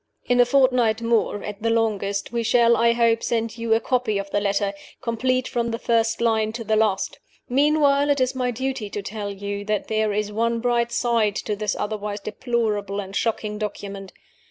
In a fortnight more, at the longest, we shall, I hope, send you a copy of the letter, complete from the first line to the last. Meanwhile, it is my duty to tell you that there is one bright side to this otherwise deplorable and shocking document.